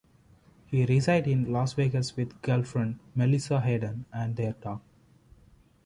He resides in Las Vegas with girlfriend Melissa Hayden and their dog.